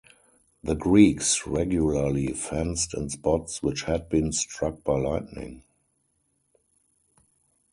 The Greeks regularly fenced in spots which had been struck by lightning.